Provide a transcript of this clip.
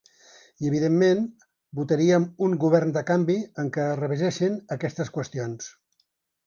I evidentment votaríem un govern de canvi en què es revisassin aquestes qüestions.